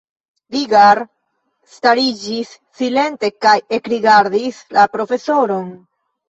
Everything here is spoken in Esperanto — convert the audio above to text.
Rigar stariĝis silente kaj ekrigardis la profesoron.